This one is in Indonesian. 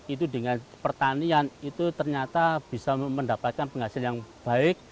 itu dengan pertanian itu ternyata bisa mendapatkan penghasilan yang baik